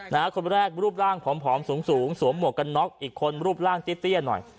คนแรกรูปร่างผอมผอมสูงสูงสวมหมวกกันน็อกอีกคนรูปร่างเตี้ยหน่อย